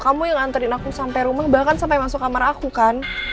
kamu yang nganterin aku sampai rumah bahkan sampai masuk kamar aku kan